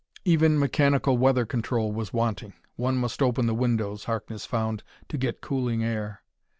Even mechanical weather control was wanting; one must open the windows, Harkness found, to get cooling air.